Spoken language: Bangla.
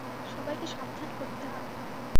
সবাইকে সাবধান করতে হবে।